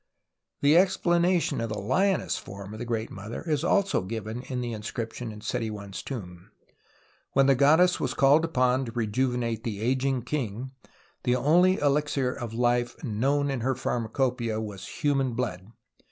The explanation of the lioness form of the Great Mother is also given in the inscription in Seti I's tomb. When the goddess was called upon to rejuvenate the ageing king, the GETTING TO HEAVExN 113 only elixir of life known in lier pharniacopcL'ia was human blood.